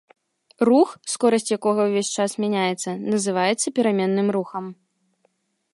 Рух, скорасць якога ўвесь час мяняецца, называецца пераменным рухам.